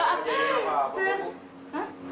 gak ada kejadian apa apa bu